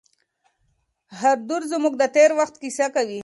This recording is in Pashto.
هر دود زموږ د تېر وخت کیسه کوي.